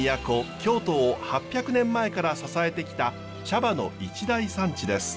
京都を８００年前から支えてきた茶葉の一大産地です。